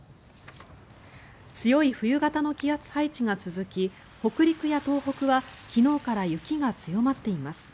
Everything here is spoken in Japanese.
強い冬型の気圧配置が続き北陸や東北は昨日から雪が強まっています。